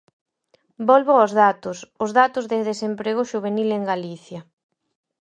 Volvo aos datos, os datos de desemprego xuvenil en Galicia.